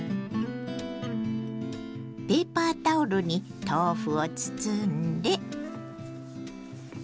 ペーパータオルに豆腐を包んで。